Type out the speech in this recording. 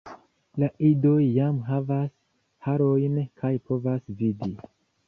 La idoj jam havas harojn kaj povas vidi.